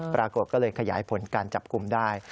ปรากฏก็เลยขยายผลการจับกลุ่มได้